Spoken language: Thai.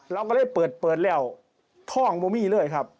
เราก็เลยเปิดเปิดแล้วท่องบูมี่เลยครับ